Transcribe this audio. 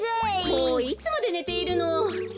もういつまでねているの。